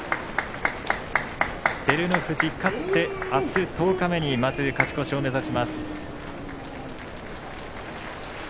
照ノ富士、勝って、あす十日目に勝ち越しを目指します。